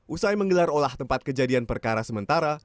usai menggelar olah tempat kejadian perkara sementara